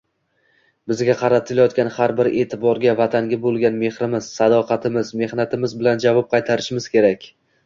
Bizga qaratilayotgan har bir eʼtiborga vatanga boʻlgan mehrimiz, sadoqatimiz, mehnatimiz bilan javob qaytarishimiz kerak